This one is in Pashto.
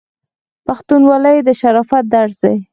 پښتونولي د شرافت درس دی.